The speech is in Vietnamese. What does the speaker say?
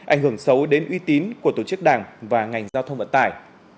ảnh hưởng xấu đến uy tín của tổ chức đảng và ngành giao thông vận tải